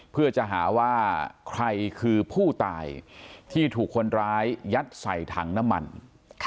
เพื่อจะหาว่าใครคือผู้ตายที่ถูกคนร้ายยัดใส่ถังน้ำมัน